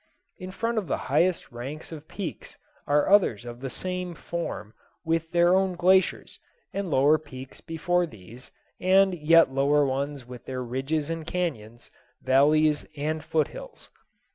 In front of the highest ranks of peaks are others of the same form with their own glaciers, and lower peaks before these, and yet lower ones with their ridges and cañons, valleys and foothills.